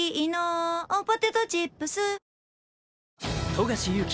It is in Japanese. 富樫勇樹